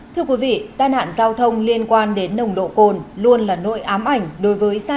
thưa quý vị tai nạn giao thông liên quan đến nồng độ cồn luôn là nỗi ám ảnh đối với